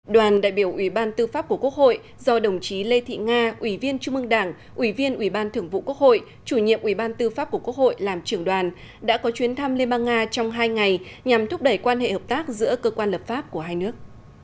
đoàn đại biểu ủy ban tư pháp của quốc hội do đồng chí lê thị nga ủy viên trung ương đảng ủy viên ủy ban thưởng vụ quốc hội chủ nhiệm ủy ban tư pháp của quốc hội làm trưởng đoàn đã có chuyến thăm liên bang nga trong hai ngày nhằm thúc đẩy quan hệ hợp tác giữa cơ quan lập pháp của hai nước